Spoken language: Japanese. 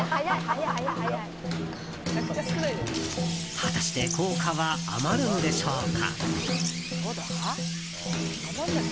果たして硬貨は余るんでしょうか？